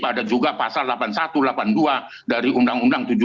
ada juga pasal delapan puluh satu delapan puluh dua dari undang undang tujuh belas